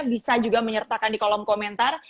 bisa juga menyertakan di kolom komentar